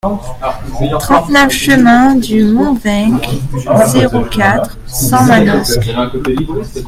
trente-neuf chemin du Mourvenc, zéro quatre, cent Manosque